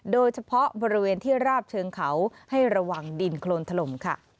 โดยเฉพาะบริเวณที่ราบเชิงเขาให้ระวังดินโครนถล่มค่ะ